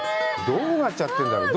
どうなっちゃってるんだろう？